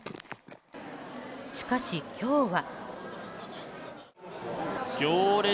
しかし、今日は。